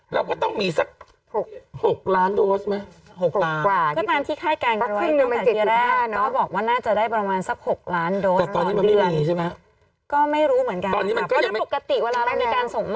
เราก็ต้องมี๖ล้านโดส๖ล้าง